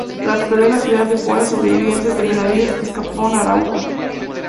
Tras perder la ciudad las fuerzas sobrevivientes de Benavides escaparon a Arauco.